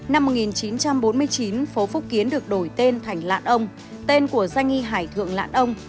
năm một nghìn chín trăm bốn mươi chín phố phúc kiến được đổi tên thành lan ông tên của danh nghi hải thượng lãn ông